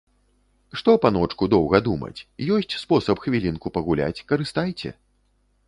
Што, паночку, доўга думаць, ёсць спосаб хвілінку пагуляць, карыстайце.